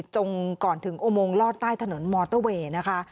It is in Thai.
ก่อนถึงอุโมงลอดใต้ถนนมอเตอร์เวย์นะคะ